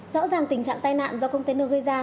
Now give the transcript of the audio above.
rõ ràng tình trạng tai nạn do container gây ra